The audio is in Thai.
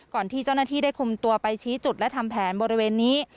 ที่เจ้าหน้าที่ได้คุมตัวไปชี้จุดและทำแผนบริเวณนี้